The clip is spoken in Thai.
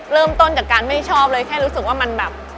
เริ่มต้นจากการไม่ชอบเลยแค่รู้สึกว่ามันแบบ